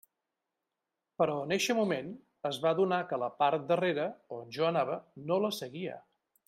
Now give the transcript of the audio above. Però en eixe moment es va adonar que la part darrera, on jo anava, no la seguia.